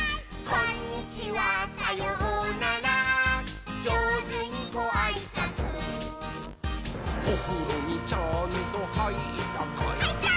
「こんにちはさようならじょうずにごあいさつ」「おふろにちゃんとはいったかい？」はいったー！